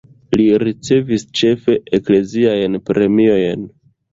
Li ricevis ĉefe ekleziajn premiojn.